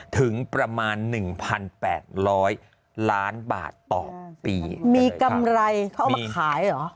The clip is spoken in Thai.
ถึงประมาณหนึ่งพันแปดร้อยล้านบาทต่อปีมีกำไรเขาเอามาขายเหรอ